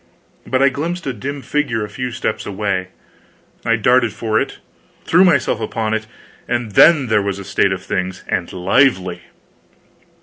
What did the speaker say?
But I glimpsed a dim figure a few steps away. I darted for it, threw myself upon it, and then there was a state of things and lively!